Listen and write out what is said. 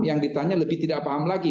yang ditanya lebih tidak paham lagi